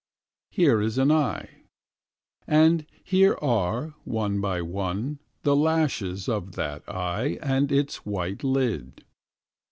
Here is an eye. And here are, one by one. The lashes of that eye and its white lid.